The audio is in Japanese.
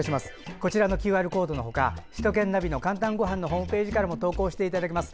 こちらのＱＲコードの他首都圏ナビの「かんたんごはん」のホームページからもお寄せいただけます。